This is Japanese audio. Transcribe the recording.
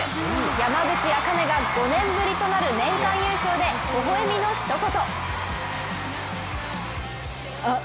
山口茜が５年ぶりとなる年間優勝で微笑みのひと言。